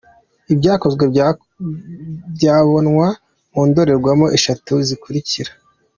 Ibyakozwe byabonwa mu ndorerwamo eshatu zikurikira: